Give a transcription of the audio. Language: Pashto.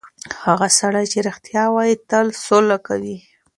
هغه سړی چې رښتیا وایي، تل په سوله کې وي.